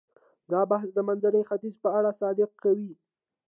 دا بحث د منځني ختیځ په اړه صدق کوي.